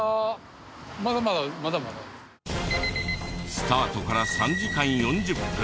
スタートから３時間４０分。